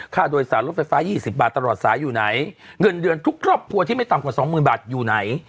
ค่าโดยสารรถไฟฟ้า๒๐บาทตลอดสายอยู่ไหนเงินเดือนทุกครอบครัวที่ไม่ต่ำกว่าสองหมื่นบาทอยู่ไหน